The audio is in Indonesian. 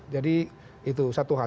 jadi itu satu hal